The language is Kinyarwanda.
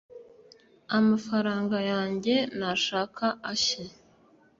“amafaranga yange n’ ashaka ashye